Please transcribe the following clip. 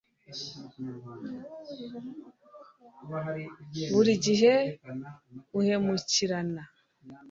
buri gihe uhemukirana